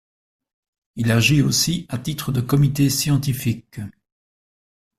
Il agit aussi à titre de comité scientifique.